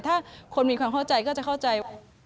ถ้าคนมีความเข้าใจก็จะเข้าใจ